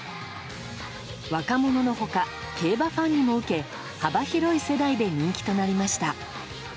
若者の他、競馬ファンにも受け幅広い世代で人気となりました。